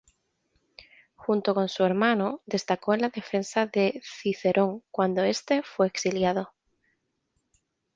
Junto con su hermano, destacó en la defensa de Cicerón cuando este fue exiliado.